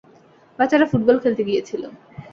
বাচ্চারা ফুটবল খেলতে গিয়েছিল।